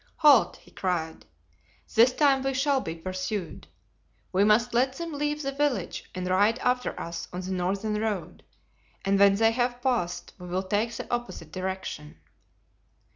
"Halt!" he cried, "this time we shall be pursued. We must let them leave the village and ride after us on the northern road, and when they have passed we will take the opposite direction."